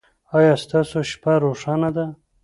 ایا ستاسو شپه روښانه ده؟